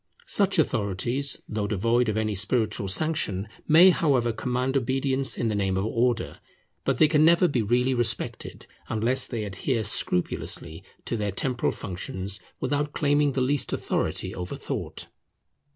Such authorities, though devoid of any spiritual sanction, may, however, command obedience in the name of Order. But they can never be really respected, unless they adhere scrupulously to their temporal functions, without claiming the least authority over thought.